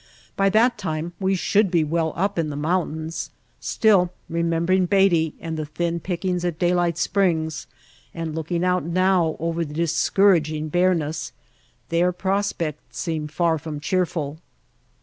By that time we should be well up in the mountains; still, remembering Beatty and the thin pickings at Daylight Springs, and looking out now over the discouraging bareness, their prospects seemed far from cheerful.